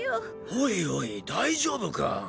おいおい大丈夫か？